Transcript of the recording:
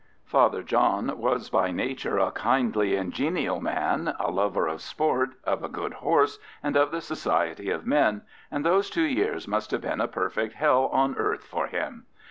Father John was by nature a kindly and genial man, a lover of sport, of a good horse, and of the society of men, and those two years must have been a perfect hell on earth for him.